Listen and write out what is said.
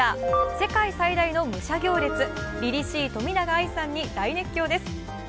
世界最大の武者行列、りりしい冨永愛さんに大熱狂です。